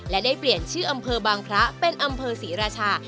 และได้เปลี่ยนชื่ออำเภอบางพระเป็นอำเภอศรีราชา